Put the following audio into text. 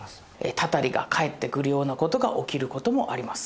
たたりが返ってくるようなことが起きることもあります